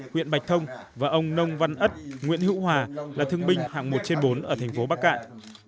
huyện bạch thông và ông nông văn ất nguyễn hữu hòa là thương binh hạng một trên bốn ở thành phố bắc cạn